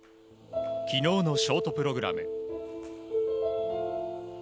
きのうのショートプログラム。